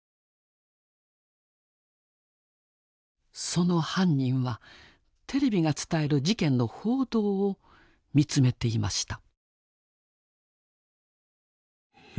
その犯人はテレビが伝える事件の報道を見つめていました。